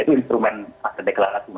ini instrumen aset deklarasi